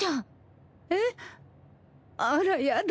あらやだ。